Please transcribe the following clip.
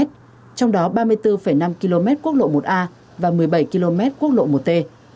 trong đó ba mươi bốn năm km quốc lộ một a và một mươi bảy km quốc lộ một t